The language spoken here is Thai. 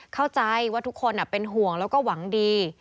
เข้าใจว่าทุกคนเป็นห่วงแล้วก็หวังดี